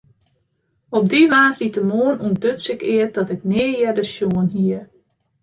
Op dy woansdeitemoarn ûntduts ik eat dat ik nea earder sjoen hie.